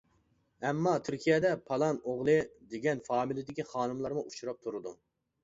ئەمما تۈركىيەدە «پالان ئوغلى» دېگەن فامىلىدىكى خانىملارمۇ ئۇچراپ تۇرىدۇ.